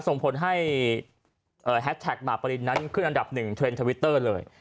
ส่งผลให้เอ่อแฮชแท็กนั้นขึ้นอันดับหนึ่งเทรนด์เลย